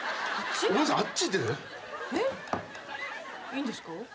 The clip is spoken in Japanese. いいんですか？